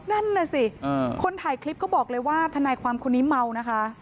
นั่นน่ะสิคนถ่ายคลิปก็บอกเลยว่าทนายความคนนี้เมานะคะ